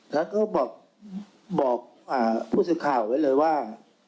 แล้วก็บอกผู้สื่อข่าวไว้เลยว่า